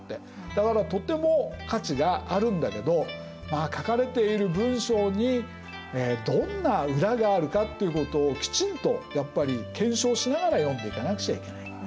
だからとても価値があるんだけど書かれている文章にどんな裏があるかっていうことをきちんとやっぱり検証しながら読んでいかなくちゃいけない。